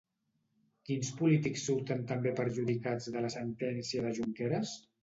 Quins polítics surten també perjudicats de la sentència de Junqueras?